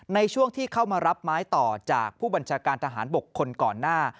ในช่วงที่เข้ามารับไม้ต่อจากผู้บัญชาการทหารบกคนก่อนหน้า